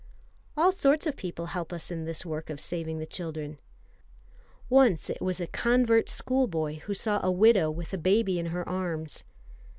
All sorts of people help us in this work of saving the children. Once it was a convert schoolboy who saw a widow with a baby in her arms.